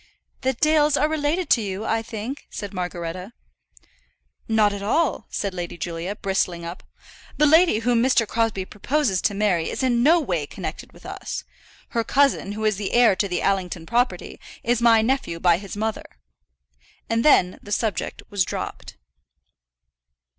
"The Dales are related to you, I think?" said Margaretta. "Not at all," said Lady Julia, bristling up. "The lady whom Mr. Crosbie proposes to marry is in no way connected with us. Her cousin, who is the heir to the Allington property, is my nephew by his mother." And then the subject was dropped.